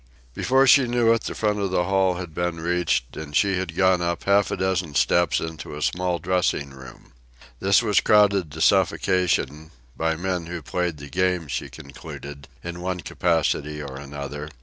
Before she knew it, the front of the hall had been reached, and she had gone up half a dozen steps into a small dressing room. This was crowded to suffocation by men who played the Game, she concluded, in one capacity or another.